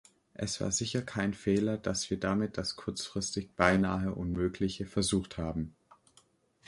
Es war sicher kein Fehler, dass wir damit das kurzfristig beinahe Unmögliche versucht haben.